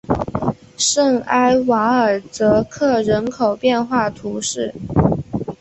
圣埃瓦尔泽克人口变化图示